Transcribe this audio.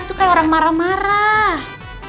itu kayak orang marah marah